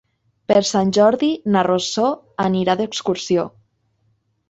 Per Sant Jordi na Rosó anirà d'excursió.